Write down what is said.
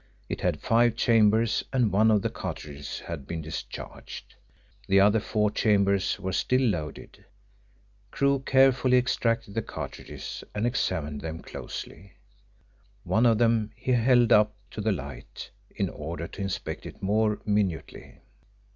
It had five chambers, and one of the cartridges had been discharged. The other four chambers were still loaded. Crewe carefully extracted the cartridges, and examined them closely. One of them he held up to the light in order to inspect it more minutely.